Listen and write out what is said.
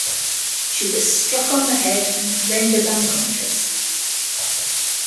She was struck on the head and rendered unconscious.